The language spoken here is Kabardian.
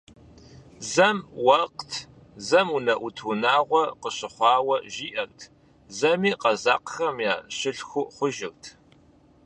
Зэм уэркът, зэм унэӀут унагъуэ къыщыхъуауэ жиӀэрт, зэми къэзакъхэм я щылъху хъужырт.